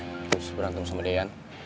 abis berantem sama deyan